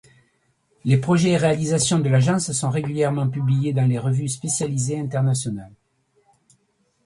Les projets et réalisations de l'agence sont régulièrement publiés dans les revues spécialisées internationales.